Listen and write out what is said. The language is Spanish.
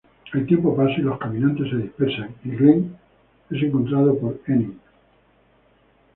El tiempo pasa y los caminantes se dispersan, y Glenn es encontrado por Enid.